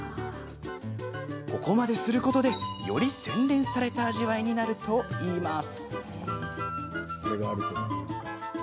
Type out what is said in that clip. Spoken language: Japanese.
ここまですることでより洗練された味わいになるといいます。